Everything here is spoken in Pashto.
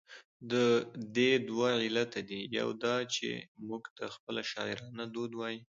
د دې دوه علته دي، يو دا چې، موږ ته خپله شاعرانه دود وايي،